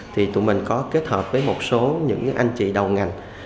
thì tụi mình có kết hợp với một số những anh chị đầu ngành